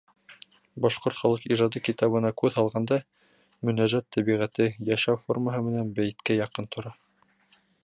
Башҡорт халыҡ ижады китабына күҙ һалғанда, мөнәжәт тәбиғәте, йәшәү формаһы менән бәйеткә яҡын тора.